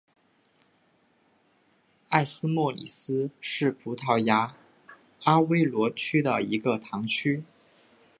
埃斯莫里斯是葡萄牙阿威罗区的一个堂区。